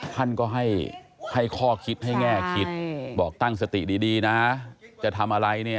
ท่านก็ให้ข้อคิดให้แง่คิดบอกตั้งสติดีนะจะทำอะไรเนี่ย